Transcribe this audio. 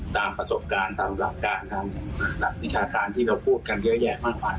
ตามประสบการณ์ตามหลักการทางหลักวิชาการที่เราพูดกันเยอะแยะมากมาย